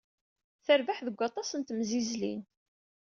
Terbeḥ deg aṭas n temzizlin.